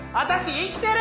生きてる？